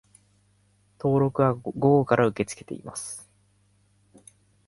登録は午後から受け付けています